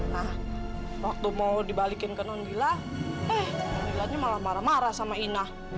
nah waktu mau dibalikin ke nonila eh nonilanya malah marah marah sama ina